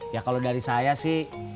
ya kalau dari saya sih